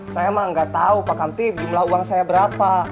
saya emang nggak tahu pak kanti jumlah uang saya berapa